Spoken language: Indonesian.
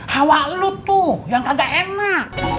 hawa lu tuh yang kagak enak